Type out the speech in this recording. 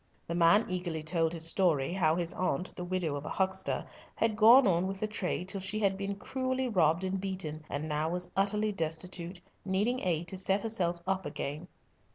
The man eagerly told his story, how his aunt, the widow of a huckster, had gone on with the trade till she had been cruelly robbed and beaten, and now was utterly destitute, needing aid to set herself up again.